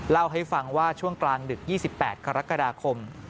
เล่าให้ฟังว่าช่วงกลางดึก๒๘กรกฎาคม